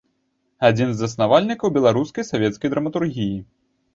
Адзін з заснавальнікаў беларускай савецкай драматургіі.